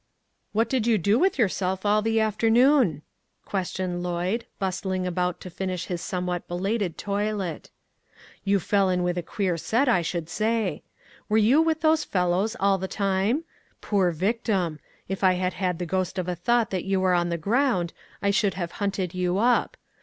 " What did you do with yourself all the afternoon ?" questioned Lloyd, bustling about to finish his somewhat belated toilet. " You fell in with a queer set, I should say ! Were you with those fellows all the time ? Poor victim ! If I had had the ghost of a thought that you were on the ground I should have hunted you up.